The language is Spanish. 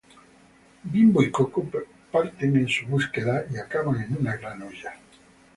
Bimbo y Koko parten en su búsqueda y acaban en una gran olla.